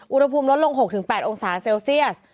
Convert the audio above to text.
อุณหภูมิลดลง๖๘องศาเซลเซียส